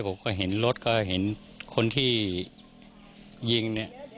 ผมก็เห็นรถก็เห็นคนที่ยิง